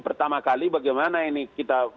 pertama kali bagaimana ini kita